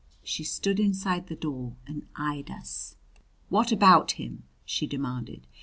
She stood inside the door and eyed us. "What about him?" she demanded.